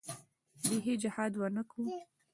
بيخي جهاد ونه کو.